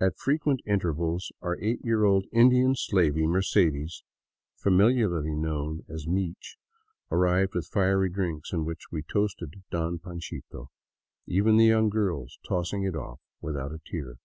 At frequent in tervals our eight year old Indian slavey, Mercedes, familiarly known as " Meech," arrived with fiery drinks in which we toasted " Don Pan chito," even the young girls tossing it off without a tear.